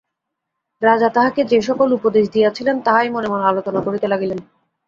রাজা তাঁহাকে যে-সকল উপদেশ দিয়াছিলেন, তাহাই মনে মনে আলোচনা করিতে লাগিলেন।